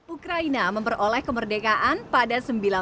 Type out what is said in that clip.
ukraina memperoleh kemerdekaan pada seribu sembilan ratus sembilan puluh